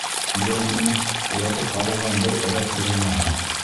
Бураның уратып һалынған бер рәт бүрәнәһе.